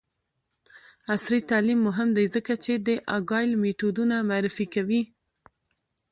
عصري تعلیم مهم دی ځکه چې د اګایل میتودونه معرفي کوي.